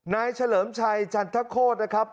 นายเฉลิมชายจันทะโฆษนะครับ